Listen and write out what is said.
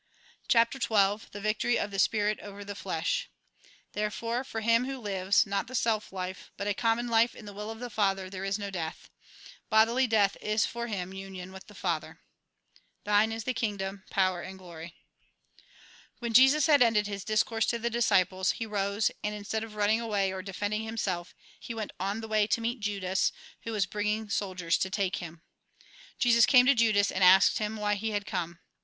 CHAPTEE XII THE VICTORY OF THE SPIRIT OVER THE FLESH Therefore, for him who lives, not the self life, but a common life in the will of the Father, there is no death. Bodily death is for him union with the Father ("tiblne 16 tbc fttngDom, power, ant> glors") When Jesus had ended his discourse to the disciples, he rose, and, instead of running away or defending himself, he went on the way to meet Judas, who was bringing soldiers to take him. Jesus came to Judas, and asked him, why he had come.